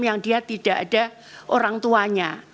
yang dia tidak ada orang tuanya